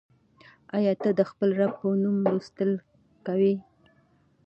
آیا ته د خپل رب په نوم لوستل کوې؟